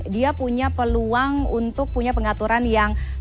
dia punya peluang untuk punya pengaturan yang